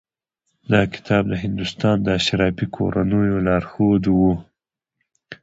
دا کتاب د هندوستان د اشرافي کورنیو لارښود و.